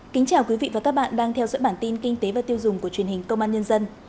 kính chào quý vị và các bạn đang theo dõi bản tin kinh tế và tiêu dùng của truyền hình công an nhân dân